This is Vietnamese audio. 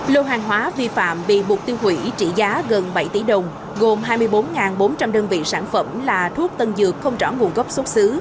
lô hàng hóa vi phạm bị buộc tiêu hủy trị giá gần bảy tỷ đồng gồm hai mươi bốn bốn trăm linh đơn vị sản phẩm là thuốc tân dược không rõ nguồn gốc xuất xứ